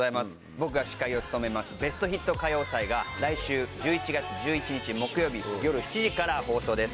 僕が司会を務めます『ベストヒット歌謡祭』が来週１１月１１日木曜日夜７時から放送です。